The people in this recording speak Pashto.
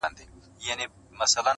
څوک چي وبا نه مني توره بلا نه مني-